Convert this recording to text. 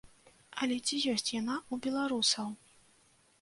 Але ці ёсць яна ў беларусаў?